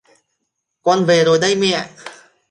con về rồi đây mẹ